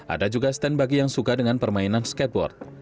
ada juga stand bagi yang suka dengan permainan skateboard